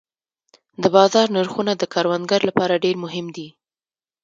د بازار نرخونه د کروندګر لپاره ډېر مهم دي.